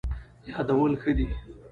یادول ښه دی.